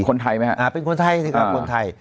คนไทยไหมครับเป็นคนไทยสิครับคนไทย